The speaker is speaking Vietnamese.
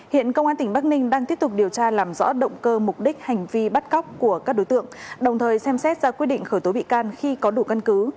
hiện công an tỉnh bắc ninh đang tiếp tục điều tra làm rõ động cơ mục đích hành vi bắt cóc của các đối tượng đồng thời xem xét ra quyết định khởi tố bị can khi có đủ căn cứ